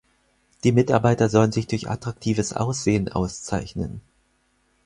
Die Mitarbeiter sollen sich durch attraktives Aussehen auszeichnen.